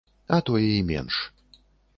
А тое і менш.